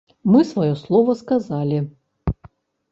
Мы сваё слова сказалі!